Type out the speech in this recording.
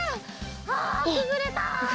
あくぐれた！